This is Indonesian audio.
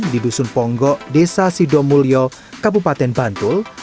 di dusun ponggok desa sidomulyo kabupaten bantul